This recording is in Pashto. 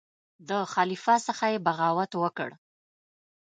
د خلیفه څخه یې بغاوت وکړ.